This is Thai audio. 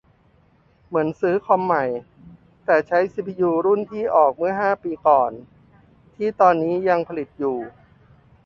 เหมือนซื้อคอมใหม่ แต่ใช้ซีพียูรุ่นที่ออกเมื่อห้าปีก่อน ที่ตอนนี้ก็ยังผลิตอยู่